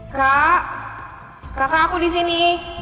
kakak aku di sini